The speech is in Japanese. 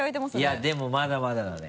いやでもまだまだだね。